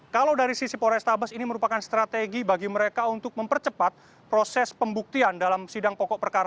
kalau dari sisi polrestabes ini merupakan strategi bagi mereka untuk mempercepat proses pembuktian dalam sidang pokok perkara